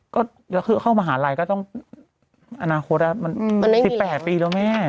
ก็คือเข้ามหาลัยก็ต้องอนาคตมัน๑๘ปีแล้วแม่